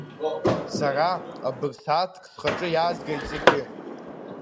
Сара абырсааҭк схаҿы иаазгеит зегьы.